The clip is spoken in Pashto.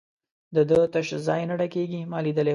د ده تش ځای نه ډکېږي، ما لیدلی وو.